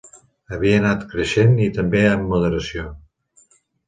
Havia anat creixent, i també am moderació.